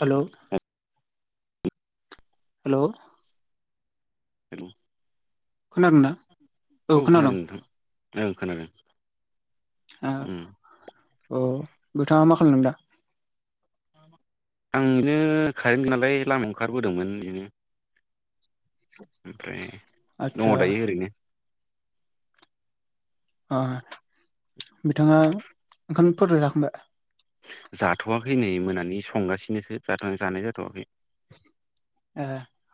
हेल'! Hello! Hello! खोनादोंना? औ खोनादों नोंथां। ओं खोनादों। उम। अ नोंथांङा मा खालामदों दा? आं बिदिनो कारेन्ट नालाय लामायाव ओंखारबोदोंमोन बिदिनो। ओमफ्राय आदसा दङ दायो ओरैनो। अ, बिथाङा ओंखामफोरलाय जाखांबाय? जाथ'वाखै नै मोनानि संगासिनोसो जाथ' जानाय जाथ'वाखै। ए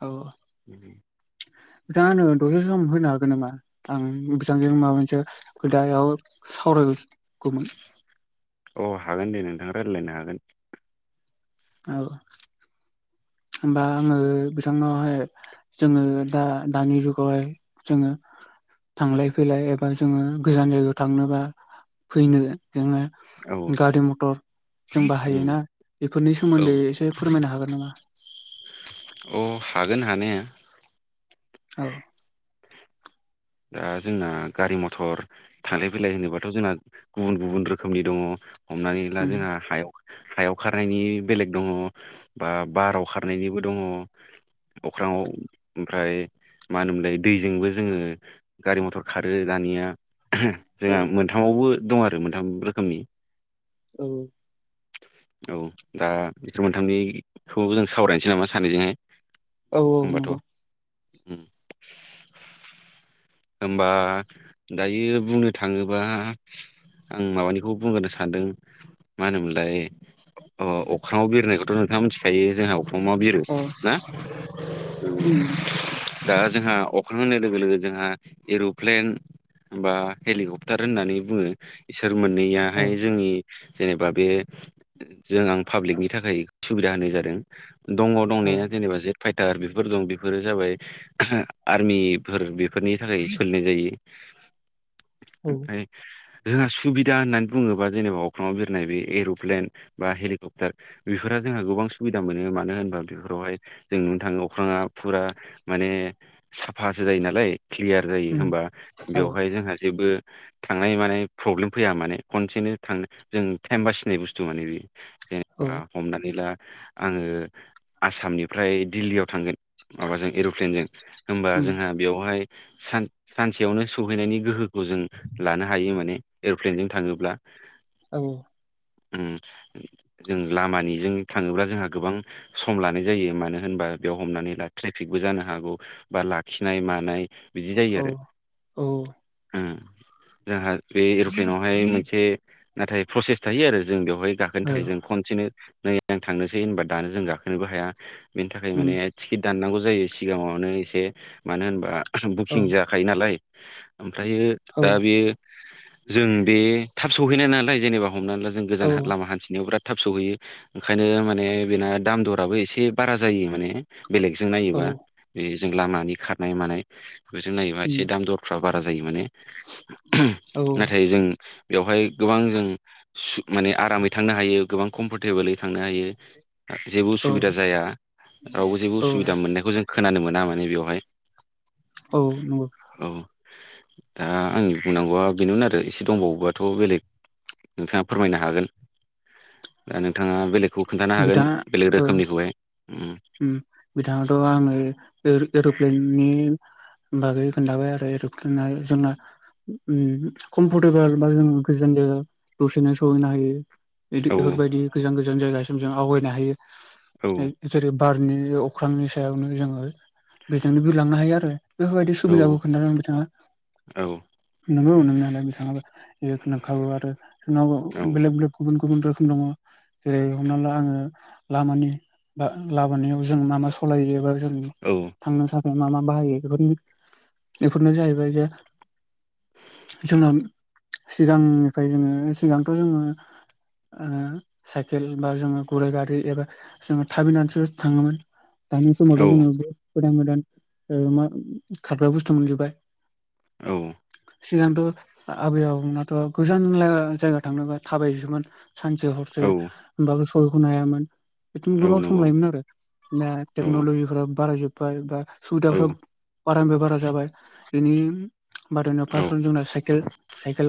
औ दा नों दसे सम होनो हा गोन नामा आं बिथांजों माबा मोनसे खोदायाव सावरायगौमोन। अ हागोन दे नोंथाङा रायज्लायनो हागोन। औ होमबा आङो बिथांनावहाय जोङो दा दानि जुगावहाय जोङो थांलाय फैलाय एबा जोङो गोजान जायगायाव थांनोबा फैनो जोङो औ गारि मथर जों उम बाहायोना बेफोरनि औ सोमोन्दै एसे फोरमायनो हागोन नामा? अ हागोन हानाया। औ। दा जोंना गारि मथर थांलाय फैलाय होनोबाथ' जोंना गुबुन गुबुन रोखोमनि दङ। हमनानै ला उम जोंहा हायाव हायाव खारनायनि बेलेग दङ बा बाराव खारनायनिबो दङ। अख्राङाव ओमफ्राय मा होनोमोनलाय दैजोंबो जोङो गारि मथर खारो दानिया औ जोंहा मोनथामावबो दं आरो मोनथाम रोखोमनि। औ। औ दा बिसोर मोनथामनिखौ जों सावरायनोसै नामा सानैजोंहाय। औ औ नंगौ। उम। [unintelligible] होम्बा दायो बुंनो थाङोबा। आं माबानिखौ बुंग्रोनो सानदों मा होनोमोन ओमफ्राय अख्रङाव बिरनायखौथ' नोंथाङा मिथिखायो जोंहा अखा अमा बिरो औ ना उम दा जोंहा अख्रां होननाय लोगो लोगो जोंहा एर'प्लेन बा हेलिकप्टार होननानै बुङो इसोर औ मोननैयाहाय जोंनि जेनेबा बे जों आं पाब्लिकनि थाखाय सुबिदा होनाय जादों दङ औ दंनाया जेनेबा जे फाइटार बेफोर दं बेफोरो जाबाय आर्मिफोर बेफोरनि थाखाय सोलिनाय जायो [inaudible] ओमफ्राय जोंहा सुबिदा होननानै बुङोबा जेनेबा अख्रङाव बिरनाय बे एरु प्लेन बा हेलिकप्टार बेफोरफोरा जोंहा गोबां सुबिदा मोनो मानो होनोबा बेफोरावहाय जों नुनो थाङोबा अख्राङा फुरा माने साफासो जायो नालाय क्लियार जायो उम होमबा औ बेवहाय जोंहा जेबो थांनाय माने प्रब्लेम फैया माने खनसेनो थां जों टाइम बासिनाय बुस्थु माने बेयो औ जेनेबा हमनानै ला आङो आसामनिफ्राय दिल्लीयाव थांगोन माबाजों एर'प्लेनजों होमबा उम जोंहा बेवहाय सान सानसेयावनो सहैनायनि गोहोखौ जों लानो हायो माने एर'प्लेनजों थाङोब्ला औ जों लामानि जों थाङोब्ला जोंहा गोबां सम लानाय जायो मानो होनोबा बेयाव हमनानै ला ट्रेफिकबो जानो हागौ बा लाखिनाय मानाय बिदि जायो आरो औ ओ जोंहा बे एर'प्लेनावहाय मोनसे नाथाय प्रसेस थायो आरो जों बेयाव बेवहाय गाखोनो थाखाय जों खनसेनो नै थांनोसै होनबा दानो जों गाखोनोबो हाया बेनि थाखाय उम माने टिकेट दाननांगौ जायो सिगाङावनो एसे मानो होनबा औ बुकिं जाखायो नालाय ओमफ्रायो औ दा बे जों बे थाब सौहैनाय नालाय जेनेबा हमनानै ला जों औ गोजान उम लामा हान्थिनायाव बेराद थाब सहैयो ओंखायनो माने बेना दाम दराबो एसे बारा जायो माने बेलेगजों औ नायोबा बेजों लामानि खारनाय मानाय बेजों नायोबा एसे दाम दरफ्राव बारा जायो माने औ नाथाय जों बेवहाय गोबां जों माने आरामै थांनो हायो गोबां कमफरटेबोलै थांनो हायो। जेबो उसुबिदा जाया। रावबो जेबो औ उसुबिदा मोननायखौ जों खोनानो मोना माने बेवहाय। औ नंगौ। औ दा आंनि बुंनांगौवा बेनो आरो एसे दंबावोबाथ' बेलेग नोंथाङा फोरमायनो हागोन। दा नोंथाङा बेलेगखौ खोन्थानो हागोन बिथाङा बेलेग ओ रोखोमनिखौहाय। उम। बिथाङाथ' आङो ए-एर'प्लेननि बागै खोनथाबाय आरो एर'प्लेना जोंना उम कमफरटेबोल बा जोंङो गोजान जायगा दसेनो सहैनो हायो। औ बिदि बेफोरबायदि गोजान गोजान जायगासिम जों आवगायनो हायो। औ। जेरै बारनि अख्रांनि सायावनो जोङो बेजोंनो बिरलांनो हायो आरो। बेफोरबायदि औ सुबिदाखौ खोन्थादों बिथाङा। औ नोंगौ नो आरो बिथाङाबो [unintelligible] नोंखागौ आरो बेलेग बेलेग गुबुन गुबुन गुबुन रोखोम दङ। जेरै हमना ला आङो लामानि बा लाबोनायाव जों मा मा सलायो एबा जों औ थांनो थाखाय मा मा बाहायो बेफोरबादिनो बेफोरनो जाहैबाय जे जोङो सिगांनिफाय जोङो सिगांथ' जोङो ओ साइखेल बा जोङो गुराय गारि एबा जोङो थाबिनानैसो थाङोमोन दानि समावथ' जोङो बहुत गोदान गोदान ओ मा खारग्रा बुस्थु मोनजोबबाय। औ। सिगांथ' आ-आबै आबौमोनाथ' गोजाननो जायगा थांनोबा थाबायसोमोन। सानसे हरसे औ होमबो सौहैख'नो हायामोन। खि औ गोबाव सम नंगौ लायोमोन आरो दा औ टेक्न'लजिफोरा बारायजोब्बाय बा औ सुबिदाफ्राबो बारानिफ्राय बारा जाबाय। बेनि बादायनायाव औ फार्सआवनो जोंना साइकेल साइकेल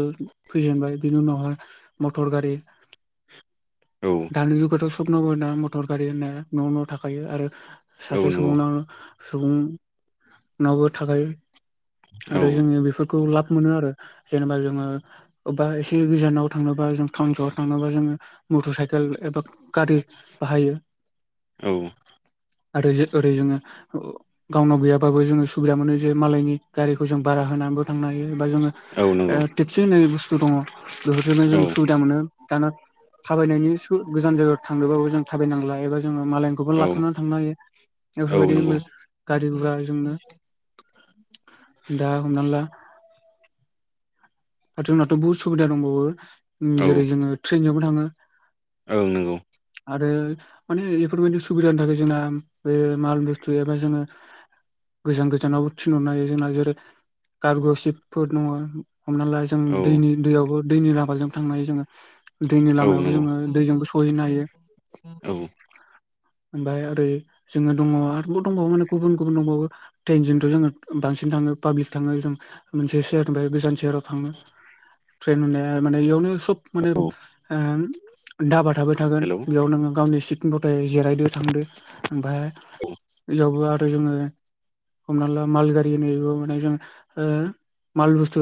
फैजेनबाय। बिनि उनावहाय मटर गारि। दानि जुगाथ' सपनावबो दा मटर गारि होननाया न' न' थाखायो आरो औ सासे नंगौ सुबुंनावनो सुबुंनावबो थाखायो औ आरो जोङो बेफोरखौ लाब मोनो आरो जेनेबा जोङो अबबा एसे गोजानाव थांनोबा जों टाउन सहर थांनोबा जोङो मटर साइकेल एबा गारि बाहायो। औ आरो ओरै जोङो गावनाव गैयाबाबो जोङो सुबिदा मोनो जे मालायनि गारिखौ जों बारा होनाबो थांनो हायो बा जोङो औ नंगौ ओ टेक्सि होननाय बुस्थु दङ, बेफोरजोंनो जों औ सुबिदा मोनो। दाना थाबायनायनि स गोजान जायगायाव थांदोंबाबो जों थाबायनांला एबा मालायनिखौबो औ लाथ'नानै थांनो हायो। औ बेफोरबायदि नंगौ गा गुरा जोंनो दा हमना ला आर जोंनाथ' बनहुद सुबिदा दंबावो, जेरै जोङो ट्रेनजोंबो थाङो। ओं नंगौ। आरो माने बेफोरबायदि सुबिदानि थाखाय जोंना बे माल बुस्थु एबा जोङो गोजान गोजानाव थिनहरनो हायो जोंना जेरै गारग' सिबफोर दङ। हमना ला जों औ दैनि दैयावबो दैनि लामाजोंबो थांनो हायो जोङो। दैनि औ लामायावबो नंगौ जोङो दैजोंबो सहैनो हायो। औ। ओमफाय ओरै जोङो दङ आरोबाव दंबावो माने गुबुन गुबुन दंबावो ट्रेनजोंथ' जोङो बां सिन थाङो पाब्लिस थाङो जों मोनसे सेहेरनिफाय गोजान सेहेराव थाङो। [unintelligible] एयावनो सब माने औ ओ दाबा थाबाय थागोन हेलौ बेयाव नोङो गावनि सित गथाय जिरायदो थांदो ओमफाय इयावबो आरो जोङो हमना ला माल गारि होनो बेबो माने जों हो माल बुस्थु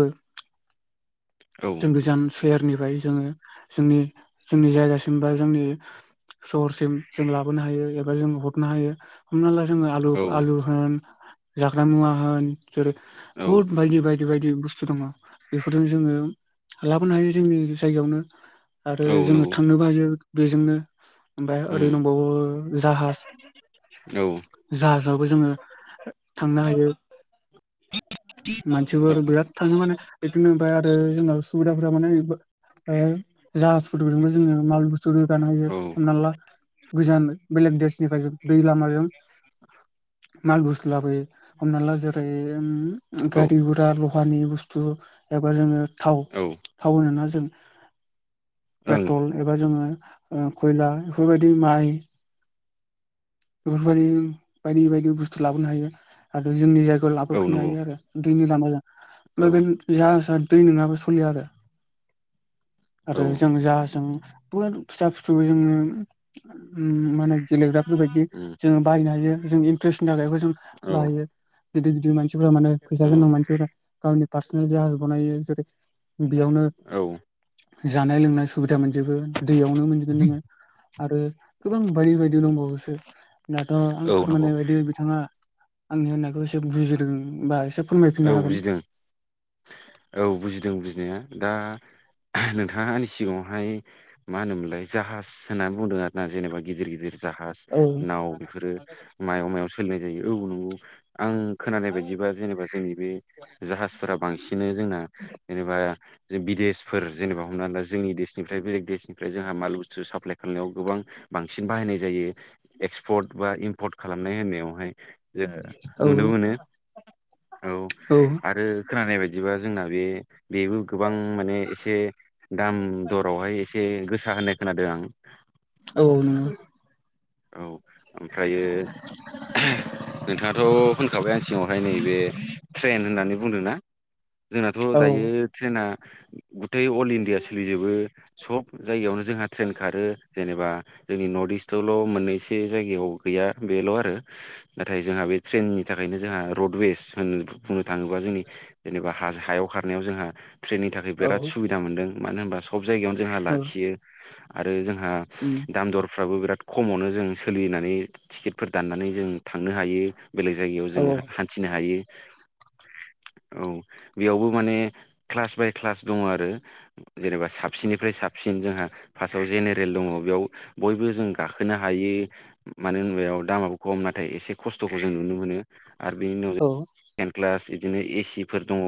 औ जों गोजान सेहेरनिफ्राय जोङो जोंनि जोंनि जायगासिम बा जोंनि सहरसिम जों लाबोनो हायो एबा जों हरनो हायो। हमना ला जोङो आलु औ आलु होन जाग्रा मुवा होन जै औ बुहुद बायदि बायद बायदि बायदि बुस्थु दङ बेफोरजों जोङो लाबोनो हायो जोंनि जायगायावनो। आरो औ जोङो नंगौ थांनो बायो बेजोंनो। ओमफाय ओरै उम दंबावो जाहाज औ जाहाज बाबो जोङो थांनो हायो। मानसिफोर बिराद थाङो माने बिदिनोफ्राय आरो जोंङो सुबिदाफोरा माने ओ जा अट'जोंबो जोङो माल बुस्तु रोगानो हायो औ हमना ला गोजान बेलेग देसनिफ्राय जों दै लामाजों माल बुस्थु लाबोयो हमना ला जेरै ओम औ गारि गुरा लहानि बुस्थु एबा जोङो थाव थाव होनोना जों। ओं पेट्रल एबा जोङो ओ खयला बेफोरबायदि माइ बेफोरबायदि बायदि बायदि बुस्थु लाबोनो हायो आरो जोंनि जायगायाव औ लाबोफिननो नंगौ हायो आरो। दैनि लामाजों औ [unintelligible] जाहाजआ दै नोङाबा सलिया आरो। आरो औ जों जाहाजजों बहुद फिसा फिसौ जोङो उम मा होनो गेलेग्राफोरबायदि उम जोंङो बाहायनो हायो जों इन्ट्रेस्टनि थाखाय जों औ बाहायो गिदिर गिदिर मानस सिफोरा माने फैसा गोनां मानसिफोरा गावनि पार्सनेल जाहाज बनायो जेरै बेयावनो औ जानाय लोंनाय सुबिद बिदा मोनजोबो दैयावनो मोनजगोन नोङो आरो गोबां बायदि बायदि दंबावोसो। दाथ' आं औ नंगौ फोरमायनाय बायदि बिथाङा आंनि होननायखौ एसे बुजिदों बा एसे फोरमायफिननो औ हागोन बुजिदों औ बुजिदों बुजिनाया दा नोंथाङा आंनि सिगाङावहाय मा होनोमोनलाय जाहाज होननानै बुंदों आर ना जेनेबा गिदिर गिदिर जाहा हास औ नाव बेफोरो मायाव मायाव सोलिनाय जायो औ नंगौ आं खोनानाय बायदिबा जेनेबा जोंनि बे जाहाजफोरा बांसिननो जोंना जेनेबा बिदेशफोर जेनेबा हमना ला जोंनि देशनिफ्राय बेलेग देशनिफ्राय जोंहा माल बुस्थु साप्लाइ खालामनायाव गोबां बांसिन बाहायनाय जायो एक्सपर्ट बा इम्पर्ट खालामनाय। होननायावहाय जोङो औ नुनो मोनो। औ आरो खोनानाय बायदिबा जोंना बे बेबो गोबां माने एसे दाम दरावहाय एसे गोसा होननाय खोनादों आं। औ नंगौ। औ। ओमफ्रायो नोंथाङाथ' होनखाबाय आं सिङावहाय नैबे ट्रेन होननानै बुंदों ना जोंनाथ' औ दायो ट्रेना गुथै अल इण्डिया सोलिजोबो सब जायगायावनो जोंहा ट्रेन खारो। जेनेबा जोंनि नर्थ इस्टआव ल' मोननैसे जायगायाव गैया बेल' आरो नाथाय जोंहा बे ट्रेननि थाखायनो जों रड वे बेस होन बुंनो थाङोबा जोंनि जेनेबा हा-हायाव खारनायाव जोंहा ट्रेननि थाखाय औ बिराद सुबिदा मोनदों मानो होनबा सब जायगायावनो जोंहा औ लाखियो आरो जों हा उम दाम दरफ्राबो बिराद खमावनो जों सोलिनानै टिकेट फोर दाननानै जों थांनो हायो बेलेग जायगायाव औ जों हान्थिनो हायो। [inaudible] औ बेयावबो माने क्लास बाय क्लास दङ आरो जेनेबा साबसिननिफ्राय साबसिन जोंहा फार्साव जेनेरेल दङ बेयाव बयबो जों गाखोनो हायो मानो होनबायाव दामाबो खम नाथाय एसे खस्थ'खौ जों नुनो मोनो। आरो बेनि उनाव जों औ टेन क्लास बिदिनो एसिफोर दङ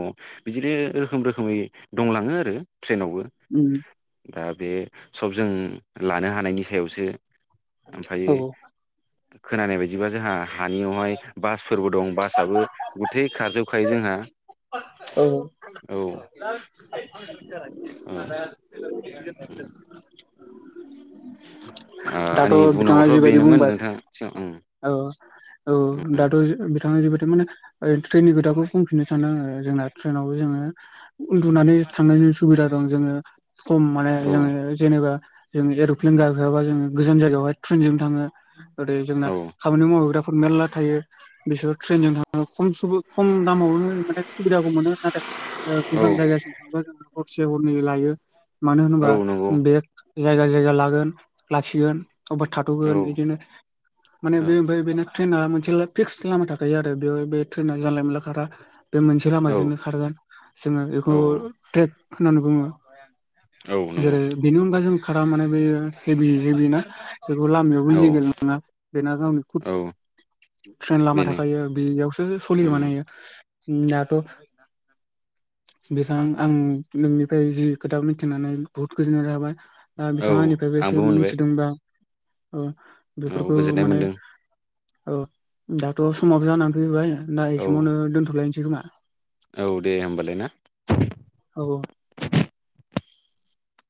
बिदिनो रोखोम रोखोमै दंलाङो आरो। ट्रेनावबो उम दा बे सब जों लानो हानायनि सायावसो औ ओमफ्रायो खोनानाय बायदिबा जोंहा हानियावहाय बासफोरबो दं बासआबो गुथै खारजोबखायो जोंहा औ। औ औ [unintelligible] आ दाथ' आंनि बिथाङा बुंनांगौथ' जिबायदि बेनोमोन बुंबाय नोंथां सि ओं औ औ दाथ' बिथाङा जिबोथ माने ओ ट्रेननि खोथाखौ बुंफिननो सान्दों आङो जोंना ट्रेननाव जोङो उन्दुनानै थांनायनि सुबिदा दं जोङो खम माने औ जोङो जेनेबा जों एर'प्लेन गाखोयाबा जोङो गोजान जायगायावहाय ट्रेनजों थाङो ओरैनो जोंना। औ मावग्राफोर मेरला थायो। बिसोर ट्रेनजों थाङो खम सुबु खम दामावनो माने सुबिदाखौ मोनो नाथाय औ गोजान जायगा [unintelligible] से हरनै लायो मानो औ होनोबा नंगौ बे जायगा जायगा लागोन लाखिगोन अबा थाथ'गोन औ इदिनो माने औ बे बै बेनो ट्रेना मोनसे फिक्स लामा थाखायो आरो बेयाव बे ट्रेना जानलाय मोनला खारा। बे मोनसे औ लामाजोंनो खारगोन जोङो बेखौ औ ट्रेक होननानै बुङो। औ। नंगौ जेरै' बेनि अनगा जों खारा माने बे हेभि हेभि ना बेखौ लामायावबो जे औ लेगेल नङा। बेना गामि खुद औ ट्रेन लामा बेनो थाखायो बेयावसो सोलियो उम माने इयो। नाथ' बिथां आं नोंनिफ्राय जि खोथाखौ मिथिनानै बुहुत गोजोननाय लाबाय। ओ औ बिथाङा आंनिफ्रायबो आंबो एसे मोनबाय मिथिदोंबा औ औ बेफोरखौ गोजोननाय माने मोनदों औ दाथ' समाबो जानानै फैबाय दा ए औ समावनो दोन्थ'लायनोसै खोमा। औ दे होमबालाय ना। औ औ